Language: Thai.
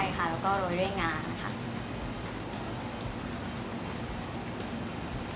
ใช่ค่ะแล้วก็โรยด้วยงานนะฮะ